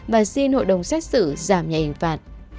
và xin hội đồng xét xử giảm nhà hình phạt